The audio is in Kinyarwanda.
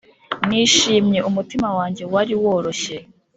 nishimye umutima wanjye wari woroshye,